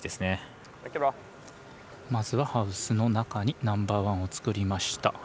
まずはハウスの中にナンバーワンを作りました。